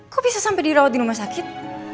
kok bisa sampai dirawat di rumah sakit